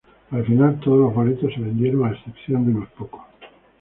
Al final, todos los boletos se vendieron a excepción de unos pocos.